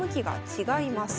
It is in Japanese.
違います。